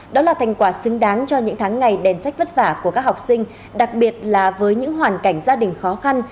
đó là thành quả xứng đáng cho những tháng ngày đèn sách vất vả của các học sinh đặc biệt là với những hoàn cảnh gia đình khó khăn